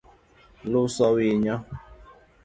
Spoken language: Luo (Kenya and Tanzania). Iuso winyo?